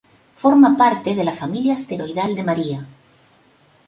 Forma parte de la familia asteroidal de María.